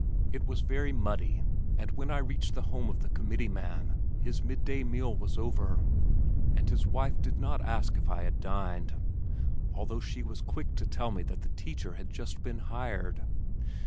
It was very muddy, and when I reached the home of the committeeman his mid day meal was over, and his wife did not ask if I had dined although she was quick to tell me that the teacher had just been hired.